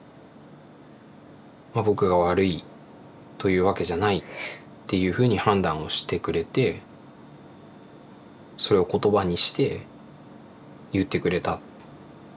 僕が悪いというわけじゃないっていうふうに判断をしてくれてそれを言葉にして言ってくれた。